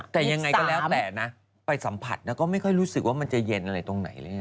แต่ยังไงก็แล้วแต่นะไปสัมผัสนะก็ไม่ค่อยรู้สึกว่ามันจะเย็นอะไรตรงไหนเลย